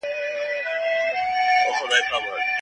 د توافق نشتوالی د ډيرو شخړو لامل ګرځي.